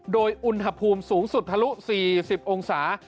โดยอุณหภูมิสูงสุดทะลุ๔๐องศา